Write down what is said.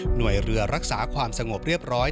หน่วยเรือรักษาความสงบเรียบร้อย